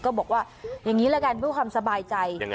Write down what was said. ก็บอกว่าอย่างนี้ละกันเพื่อความสบายใจ